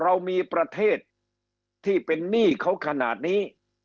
เรามีประเทศที่เป็นหนี้เขาขนาดนี้